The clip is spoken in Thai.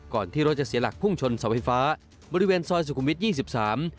ที่รถจะเสียหลักพุ่งชนเสาไฟฟ้าบริเวณซอยสุขุมวิทยี่สิบสาม